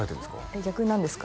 逆に何ですか？